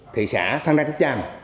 thị xã phan đa chất trang